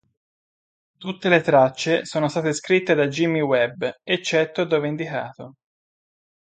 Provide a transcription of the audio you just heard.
Tutte le tracce sono state scritte da Jimmy Webb, eccetto dove indicato.